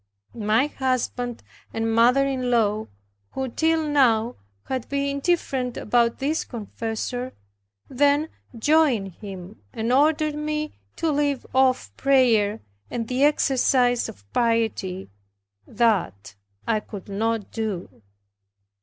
My husband and mother in law, who till now had been indifferent about this confessor, then joined him and ordered me to leave off prayer, and the exercise of piety; that I could not do.